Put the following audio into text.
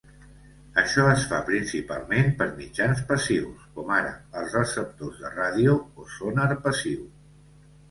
Això es fa principalment per mitjans passius com ara els receptors de ràdio o sonar passiu.